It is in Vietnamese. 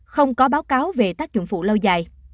không có báo cáo về tác dụng phụ lâu dài